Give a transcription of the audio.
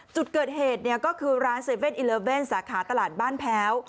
จุดเกิดเหตุก็คือร้าน๗๑๑สาขาตลาดบ้านแพ้ว